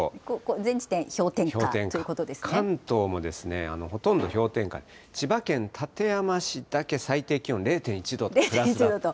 全地点、関東もほとんど氷点下で、千葉県館山市だけ最低気温０．１度と、プラス。